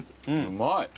うまい。